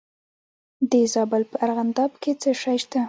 د زابل په ارغنداب کې څه شی شته؟